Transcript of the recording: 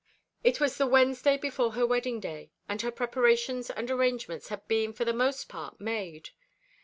It was the Wednesday before her wedding day, and her preparations and arrangements had been for the most part made.